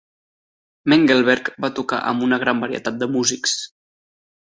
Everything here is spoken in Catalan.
Mengelberg va tocar amb una gran varietat de músics.